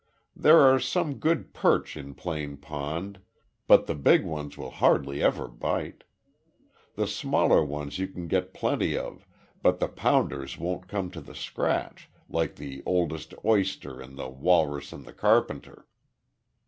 There are some good perch in Plane Pond, but the big ones will hardly ever bite. The smaller ones you can get plenty of, but the pounders won't come to the scratch, like the `oldest oyster' in the Walrus and the Carpenter."